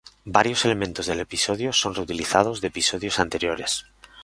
Varios elementos del episodio son reutilizados de episodios anteriores.